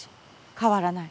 変わらない。